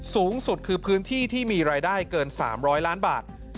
สูงสุดคือพื้นที่ที่มีรายได้เกิน๓๐๐ล้านบาท